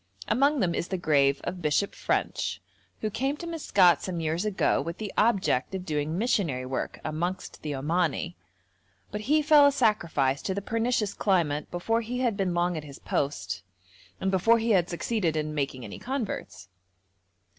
Among them is the grave of Bishop French, who came to Maskat some years ago with the object of doing missionary work amongst the Omani, but he fell a sacrifice to the pernicious climate before he had been long at his post, and before he had succeeded in making any converts.